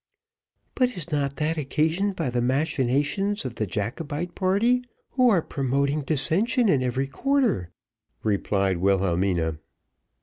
"But is not that occasioned by the machinations of the Jacobite party, who are promoting dissension in every quarter?" replied Wilhelmina.